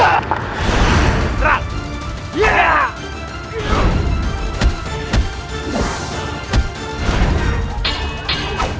aku tak akan memperkenalkan bukti